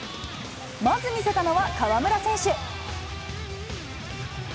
まず見せたのは河村選手。